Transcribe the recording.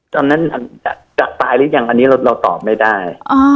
จากตายหรืออย่างนี้เราตอบไม่ได้